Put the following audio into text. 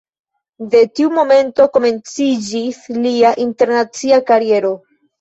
De tiu momento komenciĝis lia internacia kariero.